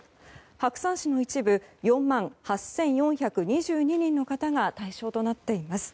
白山市の一部４万８４２２人の方が対象となっています。